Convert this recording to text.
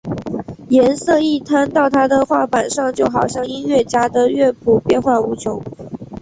颜色一摊到他的画板上就好像音乐家的乐谱变化无穷！